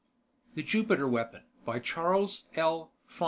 ] THE JUPITER WEAPON By CHARLES L.